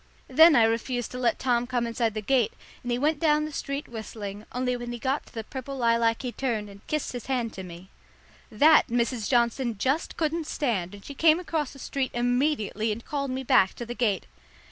Then I refused to let Tom come inside the gate, and he went down the street whistling, only when he got to the purple lilac he turned and kissed his hand to me. That, Mrs. Johnson just couldn't stand, and she came across the street immediately and called me back to the gate.